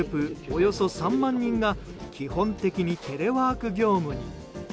およそ３万人が基本的にテレワーク業務に。